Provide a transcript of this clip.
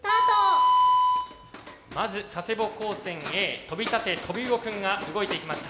まず佐世保高専Ａ「飛び立て！！トビウオくん」が動いていきました。